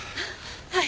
はい。